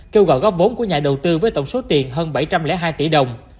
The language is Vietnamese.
kêu gọi góp vốn của nhà đầu tư với tổng số tiền hơn bảy trăm linh hai tỷ đồng